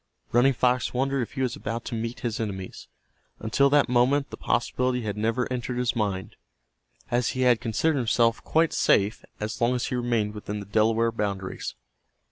Running Fox wondered if he was about to meet his enemies. Until that moment the possibility had never entered his mind, as he had considered himself quite safe as long as he remained within the Delaware boundaries.